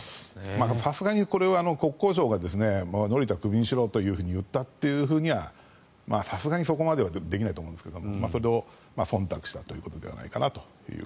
さすがに国交省が乗田をクビにしろと言ったということはさすがにそこまではできないと思うんですがそれをそんたくしたということではないかなと。